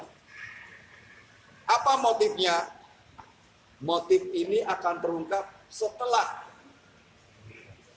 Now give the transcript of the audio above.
tim dari polda dan polres metro jakarta timur ini sedang melakukan penyelidikan mendalam siapa yang membuat heboh atau sekedar isan